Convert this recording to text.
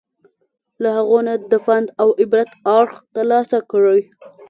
له هغو نه د پند او عبرت اړخ ترلاسه کړي.